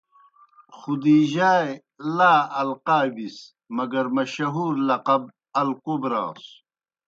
خدِیجہؓ اےْ لا القابس مگر مشہور لقب ”الکبریٰ“ سوْ۔